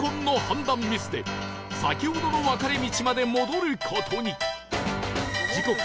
ミスで先ほどの分かれ道まで戻る事に